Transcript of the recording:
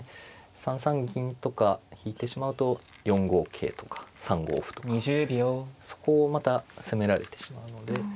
３三銀とか引いてしまうと４五桂とか３五歩とかそこをまた攻められてしまうので。